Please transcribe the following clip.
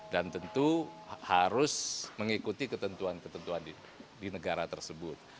dan tentu harus mengikuti ketentuan ketentuan di negara tersebut